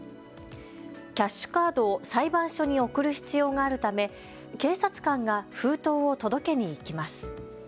キャッシュカードを裁判所に送る必要があるため警察官が封筒を届けに行きます。